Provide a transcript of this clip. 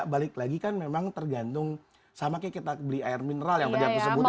balik lagi kan memang tergantung sama kayak kita beli air mineral yang tadi aku sebutkan